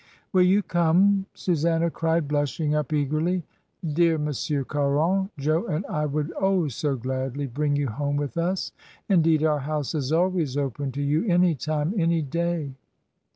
"Will you come?" Susanna cried, blushing up ONE OLD FRIEND TO ANOTHER. 23 1 eargerly, "Dear Monsieur Caron! Jo and I would, oh SO gladly! bring you home with us. Indeed our house is always open to you — any time, any day."